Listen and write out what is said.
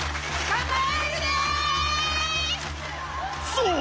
そう！